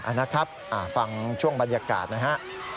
นะครับฟังช่วงบรรยากาศนะฮะ